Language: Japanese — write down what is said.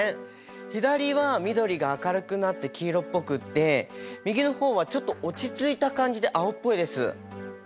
左は緑が明るくなって黄色っぽくって右の方はちょっと落ち着いた感じで青っぽいです。